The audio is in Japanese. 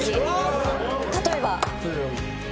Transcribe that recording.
例えば。